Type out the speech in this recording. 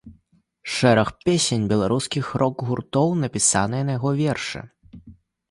Шэраг песень беларускіх рок-гуртоў напісаныя на яго вершы.